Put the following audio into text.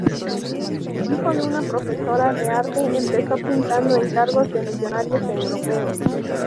Hijo de una profesora de arte, empezó pintando encargos de millonarios europeos.